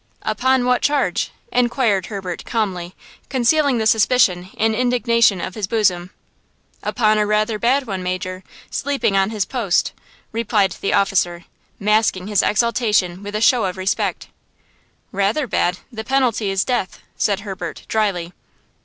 "Upon what charge?" inquired Herbert, calmly, concealing the suspicion and indignation of his bosom. "Upon a rather bad one, Major–sleeping on his post," replied the officer, masking his exultation with a show of respect. "Rather bad! The penalty is death," said Herbert, dryly.